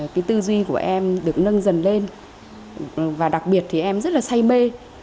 cái tư duy của em được nâng dần lên và đặc biệt thì em rất là say mê